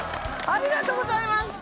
ありがとうございます！